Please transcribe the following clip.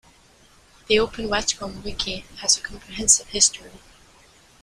The "Open Watcom Wiki" has a comprehensive history.